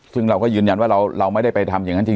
ซึ่งเราก็ยืนยันว่าเราไม่ได้ไปทำอย่างนั้นจริง